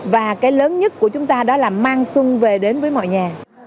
và cái lớn nhất của chúng ta đó là mang xuân về đến với mọi nhà